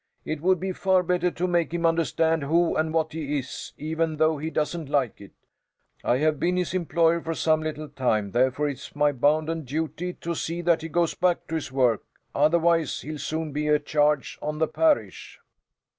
It would be far better to make him understand who and what he is, even though he doesn't like it. I have been his employer for some little time, therefore it is my bounden duty to see that he goes back to his work; otherwise he'll soon be a charge on the parish."